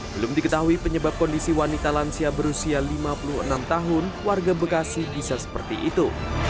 belum diketahui penyebab kondisi wanita lansia berusia lima puluh enam tahun warga bekasi bisa seperti itu